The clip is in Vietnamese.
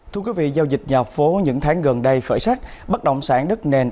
thưa quý vị giao dịch nhà phố những tháng gần đây khởi sắc bất động sản đất nền